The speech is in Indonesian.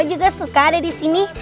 aku juga suka ada disini